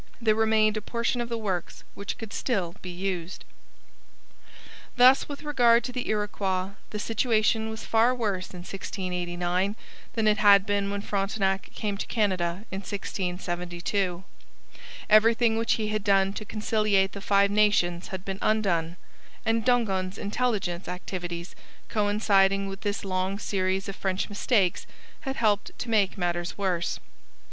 There remained a portion of the works which could still be used. Thus with regard to the Iroquois the situation was far worse in 1689 than it had been when Frontenac came to Canada in 1672. Everything which he had done to conciliate the Five Nations had been undone; and Dongan's intelligent activities, coinciding with this long series of French mistakes, had helped to make matters worse.